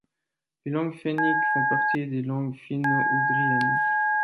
Les langues fenniques font partie des langues finno-ougriennes.